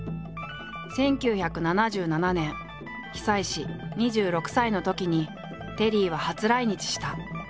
１９７７年久石２６歳のときにテリーは初来日した。